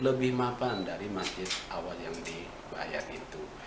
lebih mapan dari masjid awal yang di bayan itu